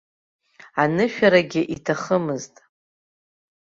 Анышәарагьы иҭахымызт.